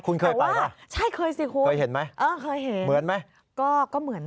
คุณเคยไปป่ะคุณเคยเห็นมั้ยเหมือนมั้ยคุณเคยไปป่ะใช่เคยสิคุณ